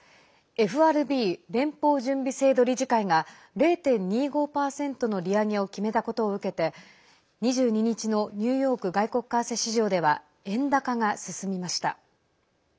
ＦＲＢ＝連邦準備制度理事会が０．２５％の利上げを決めたことを受けて２２日のニューヨーク外国為替市場では円高が進みました。